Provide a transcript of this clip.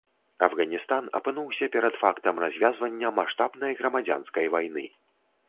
Афганістан апынуўся перад фактам развязвання маштабнай грамадзянскай вайны.